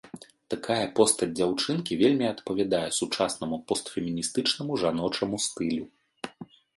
Такая постаць дзяўчынкі вельмі адпавядае сучаснаму постфеміністычнаму жаночаму стылю.